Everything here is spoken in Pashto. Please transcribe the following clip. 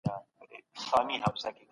کمپيوټر بيولوژي څېړي.